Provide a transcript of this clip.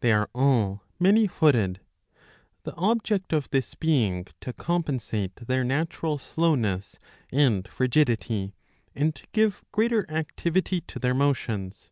They are all many footed ; the object of this being to compensate their natural slowness and frigidity, and give greater activity to their motions.